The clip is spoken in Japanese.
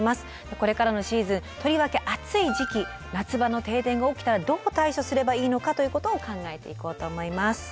これからのシーズンとりわけ暑い時期「夏場の停電」が起きたらどう対処すればいいのかということを考えていこうと思います。